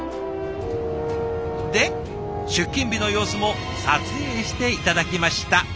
で出勤日の様子も撮影して頂きました。